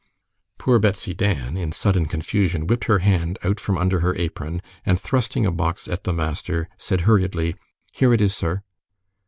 Poor Betsy Dan, in sudden confusion, whipped her hand out from under her apron, and thrusting a box at the master, said hurriedly, "Here it is, sir."